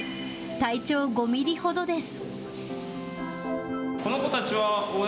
体長５ミリほどです。